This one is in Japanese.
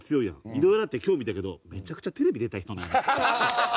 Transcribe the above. いろいろあって今日見たけどめちゃくちゃテレビ出たい人なんや。